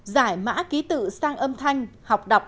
giải mã ký tự sang âm thanh